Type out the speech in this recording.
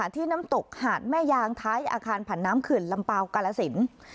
ที่น้ำตกหาดแม่ยางท้ายอาคารผันน้ำเขื่อนลำเปล่ากาลสิน